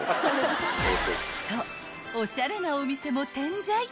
［そうおしゃれなお店も点在］